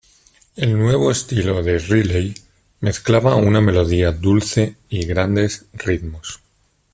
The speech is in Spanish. El nuevo estilo de Riley mezclaba una melodía dulce y grandes ritmos.